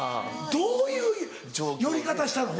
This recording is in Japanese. どういう寄り方したの？